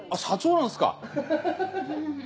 社長なんですか！